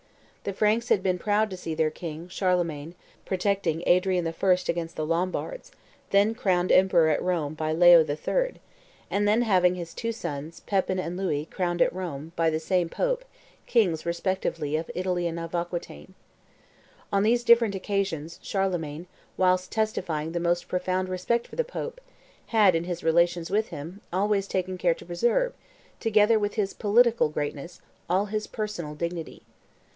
The Franks had been proud to see their king, Charlemagne, protecting Adrian I. against the Lombards; then crowned emperor at Rome by Leo III., and then having his two sons, Pepin and Louis, crowned at Rome, by the same Pope, kings respectively of Italy and of Aquitaine. On these different occasions, Charlemagne, whilst testifying the most profound respect for the Pope, had, in his relations with him, always taken care to preserve, together with his political greatness, all his personal dignity.